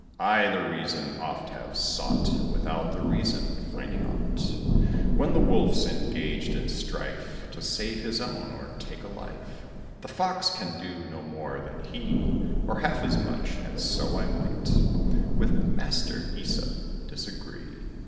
I the reason oft have sought, Without of reason finding aught. When the Wolf's engaged in strife, To save his own or take a life, The Fox can do no more than he, Or half as much, and so I might With Master Æsop disagree.